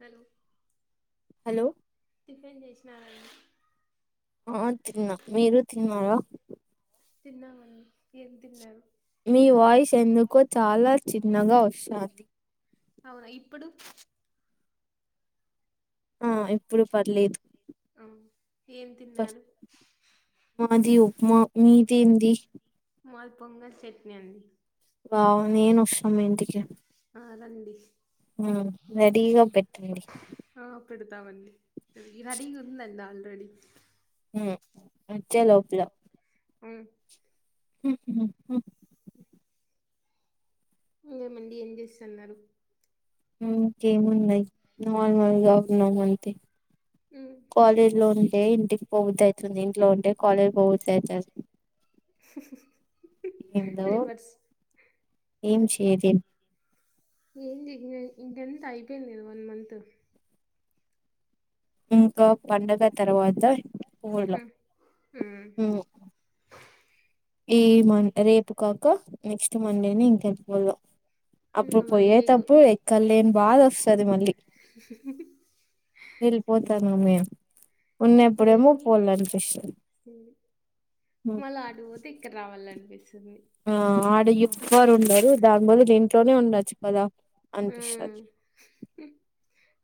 Hello hello tiffin చేసినారా అండి. ఆ తిన్న. మీరు తిన్నారా తిన్నామండి. ఏం తిన్నారు? మీ వాయిస్ ఎందుకో చాలా చిన్నగా వస్తంది. అవునా ఇప్పుడు ఆ ఇప్పుడు పర్లేదు. ఆ ఏం తిన్నారు. మా మీది ఏంది? మాద్ పొంగల్ చట్నీ అండి. వావ్ నేనొస్తా మీ ఇంటికి ఆ రండి. మ్ రెడీగా పెట్టండి పెడ్తామండి. ఈ రెడీగుందండి హాల్లో రెడీ మ్ వచ్చా లోపల ఉమ్ ఉమ్, ఉమ్, ఉమ్, ఏ మండి ఏం చేస్తన్నరు. ఇంకేమున్నయి నార్మల్గా ఉన్నాం అంతే ఉమ్ కాలేజ్లో ఉంటే ఇంటిక్ పోబుద్దయితుంది. ఇంట్లో ఉంటే కాలేజ్ పోబుద్దయితాంది. ఏందో రివర్స్ ఏం చేదేం ఏందిది ఇంకెంత అయిపోయింది కదా వన్ మంత్ మ్ ఇగో పండగ తర్వాత ఊర్లో ఉమ్ ఈ మం రేపు కాక నెక్స్ట్ మండేని ఇంకె [unintelligible] అప్పుడు ఉమ్ వన్ వీక్ పోయేటప్పుడు ఎక్కర్లేని బాధ వస్తది మళ్ళీ వెళ్ళిపోతార్ ఆ మేం ఉన్నప్పుడేమో ఇప్పుడేమో పోవాలనిపిస్తుం మళ్ళా అటు పోతే ఇక్కడ రావాలనిపిస్ ఆ ఆ ఆ దయ్యం. ఎవ్వర్ ఉండరు దాని బదులు ఇంట్లోనే ఉండొచ్చు కదా అనిపిస్తది.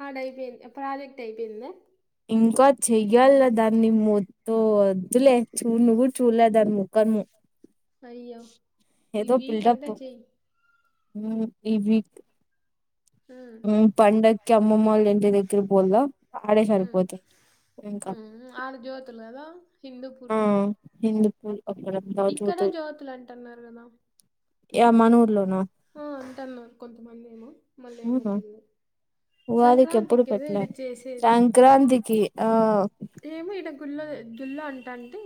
ఆడైపోయింద్ ప్రాజెక్ట్ అయిపోయిందా ఇంకా చెయ్యాల దాన్ని మొత్తో వద్దులే చూ నువ్ చూలే దాని ముఖము. అయ్యో ఈ వీకంతా చేయ్ హ్మ్ ఈ వీక్ హ్మ్. పండగకి అమ్మమ్మళ్ళ ఇంటి దగ్గర పోలో ఆడే హ్మ్. సరిపోతాయి ఇంకా హిందూపుర్లో ఉ ఇంక్కడ జ్యోతులు అంటున్నారు కదా యా మనూర్లో ఆ అంట అన్నారు కొంతమంది ఏమో మళ్ళీ అవునా ఏమవుతుంది ఉగాదికి ఎప్పుడు సంక్రాంతికి కదా పెట్టలే ఇడ చేసేది సంక్రాంతికి ఆ ఏమో ఇడ గుల్ల గుల్లో అంట అంటే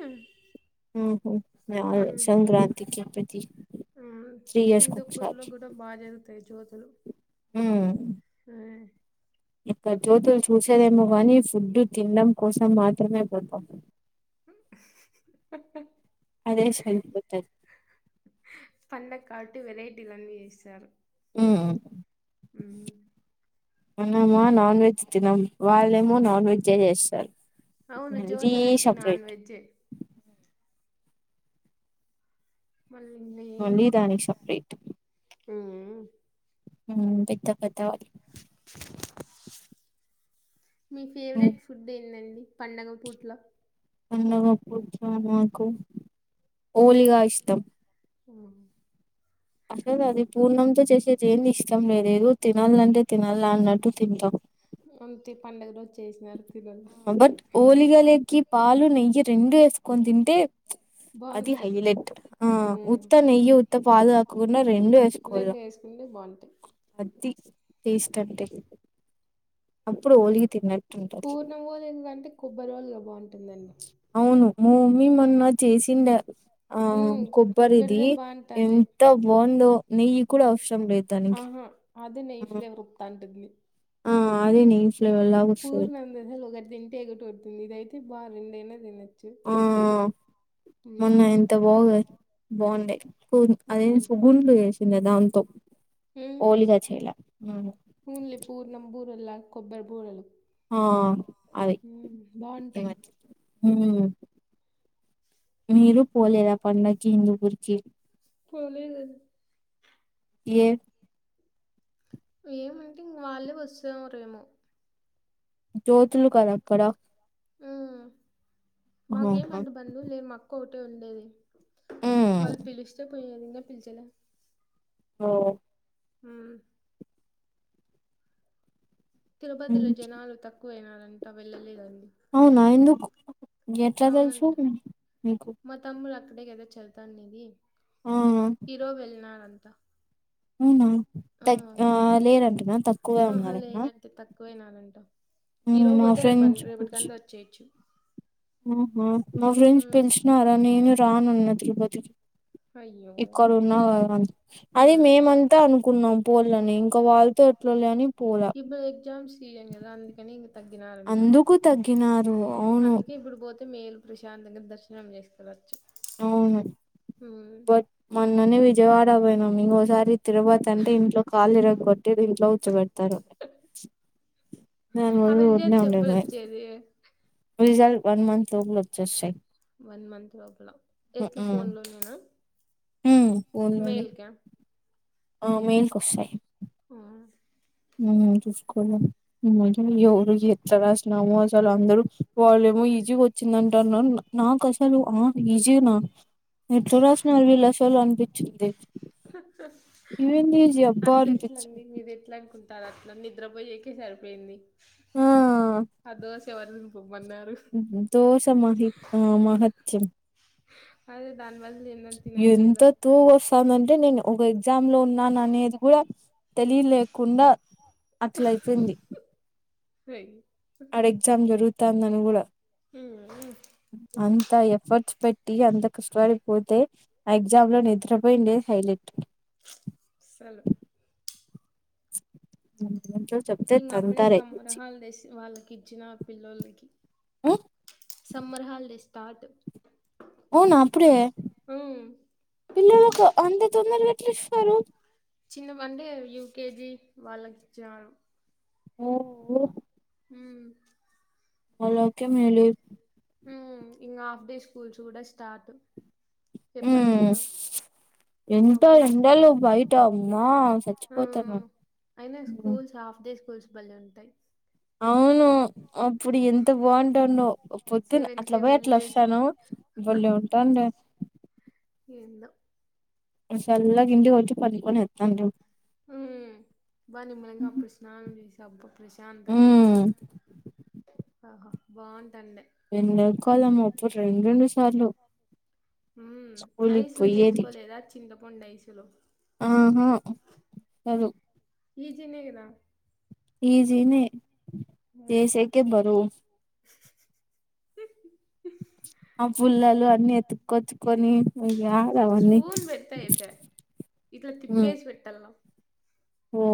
ఊహు సంక్రాంతికిప్పది హ్మ్. త్రియర్స్ కు హిందూపూర్‌లో సారి గూడా బా జరుగుతాయి జ్యోతులు. హ్మ్. ఇక్కడ జ్యోతులు చూసేదేమో కానీ ఫుడ్ తినడం కోసం మాత్రమే పోతంది అదే సరిపోతది పండగ కాబట్టి వెరైటీలు అన్నీ చేస్తారు హ్మ్ హ్మ్ మనమా నాన్ వెజ్ తినము వాళ్ళేమో నాన్ వెజ్ చేస్తారు అవును మళ్ళీ జోతలంటే నాన్ సపరేట్ వెజ్ మళ్ళీ ఇంకా ఏం మళ్ళీ దానికి సపరేట్ హ్మ్ పెద్ద పెద్దవా మీ ఉమ్, ఫేవరెట్ ఫుడ్ ఏందండి పండగ పూట్లో పండగా ఫుడ్లో నాకు హోలిగా ఇష్టం ఆ అసలు అది పూర్ణంతో చేసేది ఏం ఇష్టం లేదుదో తినాలంటే తినాల అన్నట్టు తింటాం అంత పండుగ రోజు చేసినారు తినాల బట్ ఓలీగాలకి పాలు నెయ్యి రెండు వేసుకొని తింటే అది బాగుంటాయి. హైలైట్ ఆ హ్మ్ ఉత్త నెయ్యి ఉత్త పాలు కాకుం రెండు వేసుకోవల రెండు వేసుకుంటే బాగుంటాయి. అది టేస్ట్ అంటే అప్పుడు ఓలిగి తిన్న పూర్ణమ్ ఒలిగాలకంటే ఎందుకంటే కొబ్బరి ఒలిగలే బాగుంటుందండి ఉమ్ మా మమ్మీ మొన్న చేసిండా ఆ హ్మ్ కొబ్బరి ది కొబ్బరిదే బాగుంటాది. ఎంత బాన్ ను ఆహా అది నెయ్యి ఫ్లేవర్ ఇప్తాంటది ఆ అదే న పూర్ణ అందది ఒకట్ తిన్ ఎగటావుతుంది ఇది అయితే బా రెండు అయినా తినచ్చది ఆ మొన్న ఎంత బాగున్నాయ్ బాగుండే అదే న్ ఉమ్, సుగుంఉండు చేస్ న్నదాన్ తో ఉమ్. ఓలిగా చేలా ఓన్లీ పోర్న్నంబూర్ లాగ కొబ్బరీ బూరలమ్ ఆ బాగుంటాయి ఉమ్ మీరు పోలేదు ఆ పండుగకి హిందుూపు రికి పోలేదు ఏ ఏమంటే ఇంగ వాళ్ళే వస్తే వరేమో జోతులు కదా అక్కడ ఆహా. మగేమంది బందుఉల్ లే మాక్క ఓ ఉండేది ఉమ్. వాళ్ పిలిస్తే లేదు ఇంగ పిల్చలే ఓ అ తిరుపతిలో ఉమ్. జనాలు తక్కువయినారా ఇంకా వెళ్ళలేదది అవునా ఎందుకు ఎట్లా తెలుసు అవునంట. మీ మీకు అక్కడేకద చదువుతండేది ఆ ఇరో వెల్నాడ్ కుత్త అవునా తక్ లేరంటనా తక్కువగా ఉన్నారన్ టన పొయినానంట ఈ రోజు పోతే రేపండి రేపటి కంద వచ్చేయచ్చు ఆహ మా ఫ్రెండ్స్ హ్మ్. పిలిచినారా నేను రానన్నా అదిరిపోద్ది అయ్యో! ఇక్కడ ఉన్నా అది హ్మ్. మేమంతా అనుకున్నాం పోలని ఇంకా వాళ్ళతో ఎట్లా నని పోల ఇప్పుడు ఎగ్జామ్స్ సీజన్ గదా అందుకని ఇంగ తగ్గినారంట. అందుకు తగ్గినారు అవును. అందుకే ఇప్పుడు పోతే మేలు ప్రశాంతంగా దర్శనం చేసుకోవచ్చు. అవును బట్ మన్నని విజయవాడ్ [unintelligible] ఈరోజు ఆరి తిరువాతంతే ఇంట్లో కాళ్ళు ఇరగొట్టి ఇంట్లో కూర్చో పెడతారు, నేను అవి రిజల్ట్స్ [unintelligible] ఎప్పుడొచ్చేది? రిజల్ట్ వన్ మంత్ లోనే వచ్చేస్తయి వన్ మంత్ లోబల ఎట్లా ఫోన్ లోనేనా ఉమ్ ఫోన్లోనే మేల్క ఆ మేల్కీ కొస్తయి. ఆ ఉమ్ చూసుకోలే ఎవరు ఎట్ల రాసినామో అసలు అందరూ, వాళ్ళేమో ఈజీ వచ్చిందంటరని నాకు అసలు ఆమ్ ఈజీగా నా ఎట్ల రాసినారు వీళ్ళ అసలు అనిపి చిద్ది ఈవెన్ దోస్ అబ్బా అనిపించింది. తా దట్లా నిద్రపోయికి సరిపోయింది. ఆ ఆ దోశ ఎవరు దింపమన్నారు దోష మహి ఆ మహత్యం. అది దాని బదులు ఏందన్న తినచ్చ కదా కాదంటే నేను ఒక ఎగ్జామ్ లో ఉన్నాను అనేది కుడ తెలిలేకుండా అట్లా అయిపోయింది. [unintelligible] ఆడ ఎగ్జామ్ జరుగు జరుగుతాందని గుడా ఉమ్ అను త ఎఫర్ట్స్ పెట్టి అంత కష్టపడిపోతే, ఎగ్జామ్ లో నిద్రపోయిండే హైలైట్ అసలు ఉమ్ ఇంగ అబ్బుడే సమ్మర్ హాలిడేస్ వాళ్ళకి ఇచ్చినారు పిల్లొల్లకి సమ్మర్ హాలిడేస్ తాటు అవునా అప్పుడే పిల్లలలకు అంత తొందరగ ఎట్ల ఇస్తారు చిన్న మండే యూకేజి వాళ్ళకి ఇచ్చినారు ఓ ఉమ్ వాళ్లకే మేలె ఊ ఇంగ హాఫ్ డే స్కూల్స్ గూడా స్టార్టు ఊ ఎంత అబ్బో ఎండలో బయట అమ్మా చచ్చిపోతాన్న ఉమ్ అయినా స్కూల్స్ హాఫ్ డే స్కూల్స్ బళే ఉంటాయ్ అవును అప్పుడు ఎంత బాగుంటాంన్నో పొద్దున సెవెన్ అట్లా కే బోయి అట్లా వెళ్ళేసి వస్తాను బలే ఉంటాండ ఏందో అ ఊమ్ బాగ నిమ్మలంగా అప్పుడు స్నానంచేసి టబ్బు ప్రశాంతంగా ఉమ్ ఆహా బాగుం ఎండకాలం అప్పుడు రెండ్‌రెండు హ్మ్ స్కూల్కి ఐస్ లు పోయేది చేసుకోలేదా చిన్న పొండైసులు ఆహా రదు ఈజీనే కదా ఈజీనే ఉమ్ చేసేకే బరువు ఆ పుల్లలు అ న్ని ఎత్తుకొచ్చుకొని యాడ అవన్నీ స్పూన్ పెడితే అయిపాయ్ ఇట్లా ఆ తిప్పేసి పెట్టాల ఓ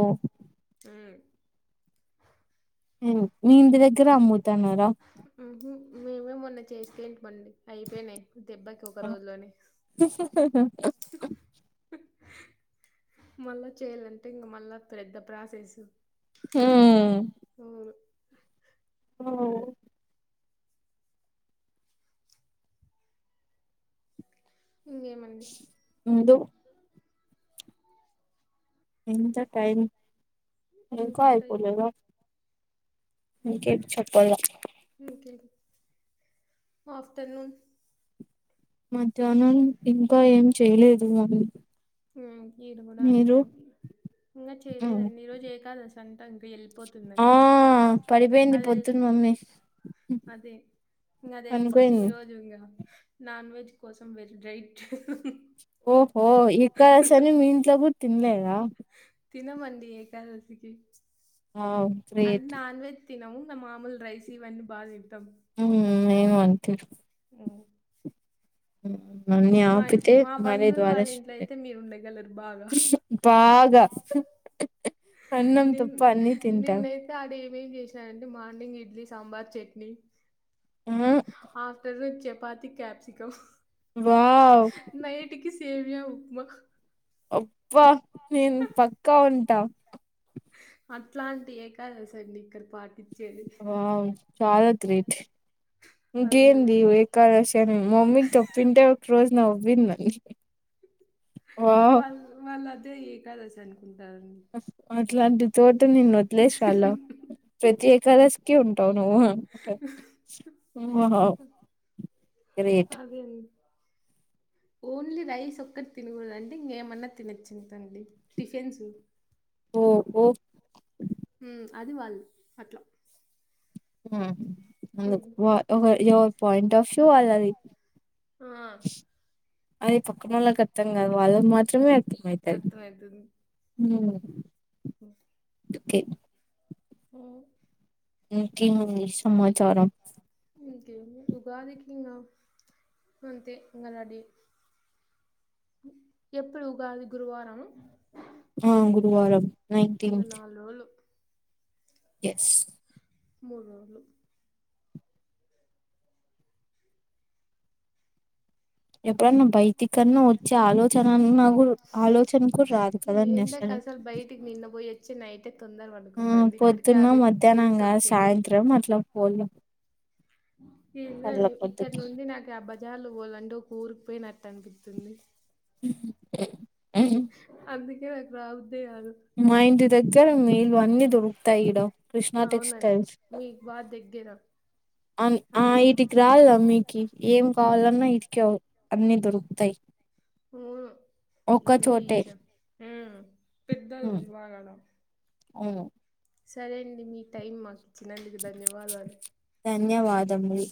ఉమ్ హ్మ్ మీ ఇంటి దగ్గర అమ్ముతన్నారా ఉహు మేమే మొన్న చేసుకొయింటిమి అండి అయిపేయినాయ్ దెబ్బకి ఒక రోజుల్లోనే మళ్ళా చేయాలంటే ఇంకా మళ్ళా ప్రెద్ద ప్రాసెసు హ్మ్ ఓ ఇంకేమండి ఉందొ ఎంత టైం ఇంత ఇంకా టైం అయిపోలేదా మీకే ప్ చెప్ ఇంకేం ఆఫ్టర్నూన్ మధ్యాహ్నం ఇ ఈడకూడా మీరు అంతేండి ఇంకా చేయలేదండి ఈరోజు ఏకాదశి సంతంక్ వీల్ ఆ పోతుందంట పడిపోయింది అది ఎల్ పొద్దున మమ్మీ అదే ఇంకా అది ఎళ్ళిపోతే ఈ పనుకోయింది రోజు ఇంకా నాన్వెజ్ కోసం వేరే డైట్ ఓహో ఇక్కశని మీ ఇంట్లో పుట్ తిన్లేదా తిన మండి ఏకాదశికి అవు అంటే గ్రేట్ నాన్ వెజ్ తినము మేమ్ మాములు రైస్ ఇవన్ని బాగ్ దిం టం మేము అంతే ఉ అన్నీ మా ఆపితే మా హరే బంధువులు ద్వార వాళ్ళ ఇంట్లో షిఫ్ట్ అయితే మీరుండగలరు బాగా. బాగా అన్నం తప్ప అన్నిీ తింటాం ఏం చేసినాారంటే మార్నింగ్ ఇడ్లీ సాంబార్ చట్నీ ఆ ఆఫ్టర్నూన్ చేప్ పాతి క్యాప్సిికమ్ వావ్ సే వ్య ఉక్మే అప్ప నేను పక్కా ఉంటా అట్లాంటి ఏకాద సి అండి ఇక్కడ పాట వావు చాలా గ్రేట్ అదే కదా ఇంకేంది ఏకాదశాని మోమిన్ తప్పిండే ఒక రోజ్ నవ్విందని వావ్ వాళ్ళు వాళ్ళ అది అంటే ఏకాదశి అన్ డర్ ఇట్లాంటి ద్ తోట నేను వదిలేసి వాళ్ళం ప్రతి ఏకరస్కి ఉంటావు నువ్వు అమాటహ గ్రేట్ అదే అండి ఓన్లీ రైస్ ఒక్కటి తినకూడదండి ఇంకేమన్నా తినొచ్చంతండి టిఫిన్స్ ఓ ఓహ్ ఉ అది వాల్దు అట్ల ఆ అ పాయింట్ ఆఫ్ వ్యూ వాళ్ళది ఆ అది పక్కన వాళ్లకి అర్థం కాదు వాళ్ళకి మాత్రమే ధ్మైతది హ్మ్ ఓ కే హ ఇకేంది సమాచారం ఇకే ఉగాదికి ఇ అంతే అంగడి ఎప్పుడు ఉగాది గురువార ఆ గురువారం ఇ నైన్టీన్త్ నాలుగు రోళు ఎస్ మూడు రోజులు ఎప్పుడన్నా బయటికన్నా వచ్చే ఆలోచన అన్నా కూడా ఆలోచన కూడా రాదు కదండి ఎండ అసలు కసలు బయటికి నిన్న పోయి వచ్చి నైట్ ఆ పొద్దున్న మధ్యాహ్నంగా నీరసం సాయంత్రం అట్లా పోలు ఏందండి ఇక్కడ నుండి నాకు ఆ బజార్ లో పోాలండి ఒక ఊరు పోయినట్టు అనిపిత్తుంది కే నాకు రా మా ఇంటి దగ్గ ర మ ఇల్లు అన్ని దురుకుతాయి ఈడ కృష్ణా అవునండి మీకు బాగా దగ్గర అ ఆ అన్నీ వీటికి రాలా మీకి ఏం కావాలన్నా ఇటికే అన్నిీ దొరుకుతాయి మవును ఒక్క ఎంది చోటే ఈడ పెద్దల్ వివాహాల అవు సరే అండి మీ టైం మాకు ఇచ్చినందుకు ధన్యవాదాలు న్యవాదములు